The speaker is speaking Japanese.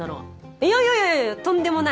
いやいやいやいやとんでもない！